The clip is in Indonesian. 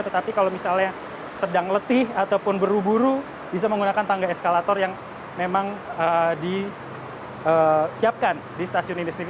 tetapi kalau misalnya sedang letih ataupun berburu bisa menggunakan tangga eskalator yang memang disiapkan di stasiun ini sendiri